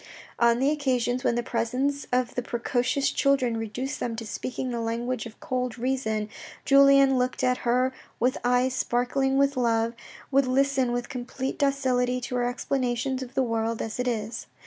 On the occasions when the presence of the precocious children reduced them to speaking the language of cold reason, Julien looking at her with eyes sparkling with love, would listen with complete docility to her explanations of the world as it is.